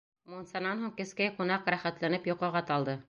Мунсанан һуң кескәй ҡунаҡ рәхәтләнеп йоҡоға талды.